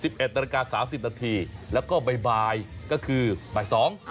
สิบเอ็ดนาฬิกาสามสิบนาทีแล้วก็บ่ายบ่ายก็คือบ่ายสอง